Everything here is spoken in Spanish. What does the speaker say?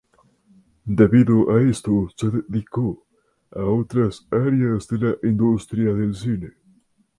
Debido a esto se dedicó a otras áreas de la industria del cine.